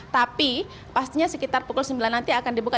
tapi pastinya sekitar pukul sembilan nanti akan dibuka